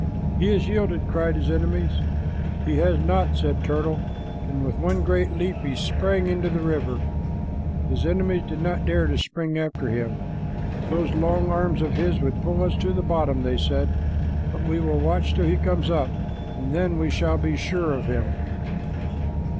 "He has yielded," cried his enemies. "He has not," said Turtle, and with one great leap he sprang into the river. His enemies did not dare to spring after him. "Those long arms of his would pull us to the bottom," they said; "but we will watch till he comes up, and then we shall be sure of him."